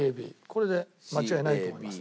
これで間違いないと思いますね。